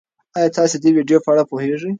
ایا تاسي د دې ویډیو په اړه پوهېږئ؟